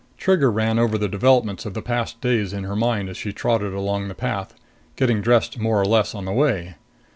Trigger ran over the developments of the past days in her mind as she trotted along the path, getting dressed more or less on the way.